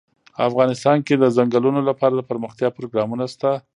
افغانستان کې د چنګلونه لپاره دپرمختیا پروګرامونه شته.